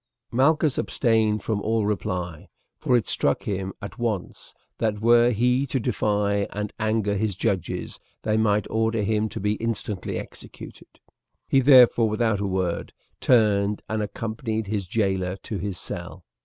Malchus abstained from all reply, for it struck him at once that were he to defy and anger his judges they might order him to be instantly executed. He therefore without a word turned and accompanied his jailer to his cell.